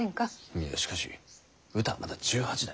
いやしかしうたはまだ１８だ。